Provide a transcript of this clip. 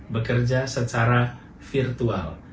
bekerja secara virtual